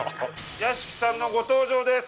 屋敷さんのご登場です。